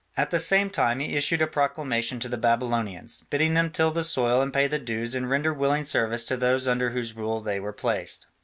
At the same time he issued a proclamation to the Babylonians, bidding them till the soil and pay the dues and render willing service to those under whose rule they were placed.